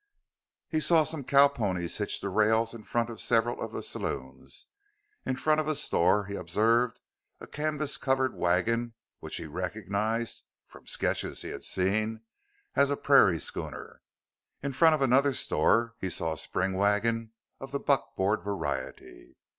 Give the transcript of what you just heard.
He saw some cowponies hitched to rails in front of several of the saloons; in front of a store he observed a canvas covered wagon which he recognized (from sketches he had seen) as a "prairie schooner"; in front of another store he saw a spring wagon of the "buckboard" variety.